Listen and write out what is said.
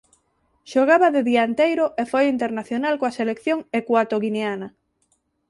Xogaba de dianteiro e foi internacional coa selección ecuatoguineana.